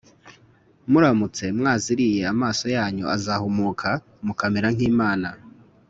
Muramutse mwaziriye amaso yanyu azahumuka mukamera nk’Imana